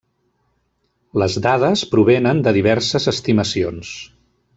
Les dades provenen de diverses estimacions.